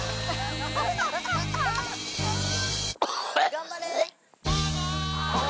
頑張れ！